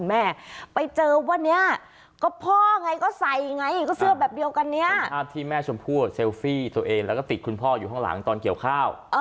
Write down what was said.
แม่ชมพู้ว่าเซลฟี่ตัวเองก็ติดคุณพ่ออยู่ห้องหลังตอนเกี่ยวคร่าว